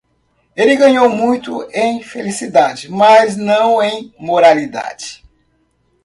Ele ganhou muito em felicidade, mas não em moralidade.